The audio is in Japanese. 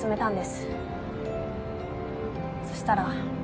そしたら。